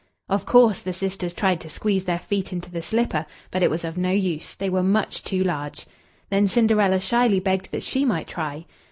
Of course, the sisters tried to squeeze their feet into the slipper, but it was of no use they were much too large. Then Cinderella shyly begged that she might try.